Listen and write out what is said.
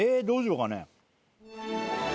どうしようかね